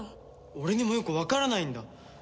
俺にもよくわからないんだ。